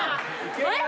えっ？